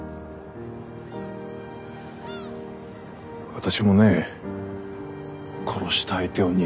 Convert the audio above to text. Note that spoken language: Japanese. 私もね殺した相手を憎んだよ。